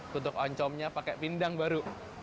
tutup oncomnya pakai pindang baru